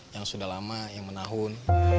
yang sudah lama yang menahun